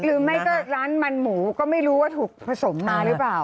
หรือไม่ก็ร้านมันหมูก็ไม่รู้ว่าถูกผสมมาหรือเปล่า